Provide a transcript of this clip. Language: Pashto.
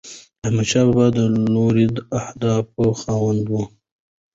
احمدشاه بابا د لوړو اهدافو خاوند و.